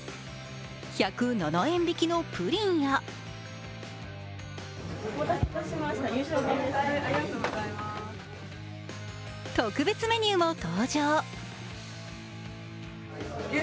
１０７円引きのプリンや特別メニューも登場。